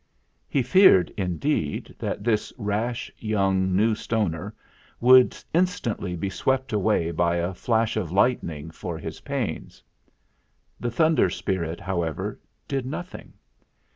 He feared, indeed, that this rash young New Stoner would instantly be swept away by a flash of lightning for his pains. The Thunder Spirit, however, did nothing.